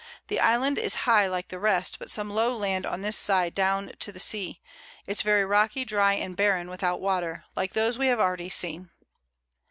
The Island is high like the rest, but some low Land on this side down to the Sea; it's very rocky, dry and barren, with out Water, like those we have already seen.